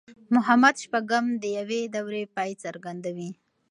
محمد شپږم د يوې دورې پای څرګندوي.